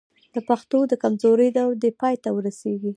د پښتو د کمزورۍ دور دې پای ته ورسېږي.